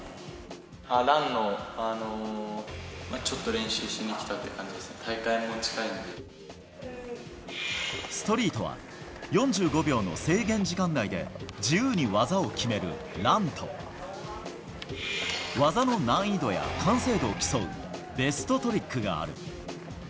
ランのちょっと練習しに来たストリートは、４５秒の制限時間内で自由に技を決めるランと、技の難易度や完成度を競うベストトリックがある。